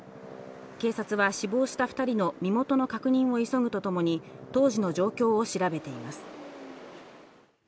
警察は死亡した２人の身元の確認を急ぐとともに当時の状況を調べています。